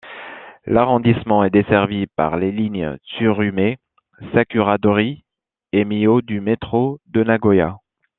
L'arrondissement est desservi par les lignes Tsurumai, Sakura-dōri et Meijō du métro de Nagoya.